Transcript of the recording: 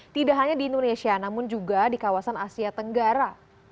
tidak hanya di indonesia namun juga di kawasan asia tenggara